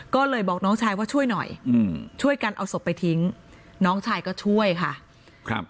ก็เลยบอกน้องชายว่าช่วยหน่อยอืมช่วยกันเอาศพไปทิ้งน้องชายก็ช่วยค่ะครับ